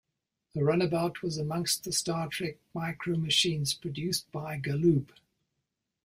A runabout was amongst the "Star Trek" Micro Machines produced by Galoob.